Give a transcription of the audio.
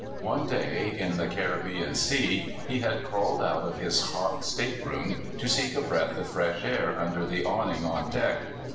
One day in the Caribbean Sea he had crawled out of his hot state room to seek a breath of fresh air under the awn ing on deck.